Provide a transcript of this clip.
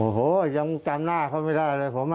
โอ้โหยังจำหน้าเขาไม่ได้เลยผม